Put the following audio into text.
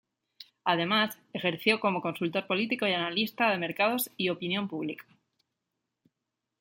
Además, ejerció como consultor político y analista de mercados y opinión pública.